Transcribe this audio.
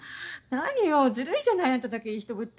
何よずるいじゃないあんただけいい人ぶって。